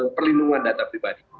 perlindungan data pribadi